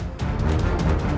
kau sudah menyerang pancacaran